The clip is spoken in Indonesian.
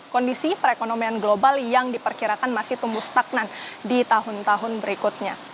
kondisi perekonomian global yang diperkirakan masih tumbuh stagnan di tahun tahun berikutnya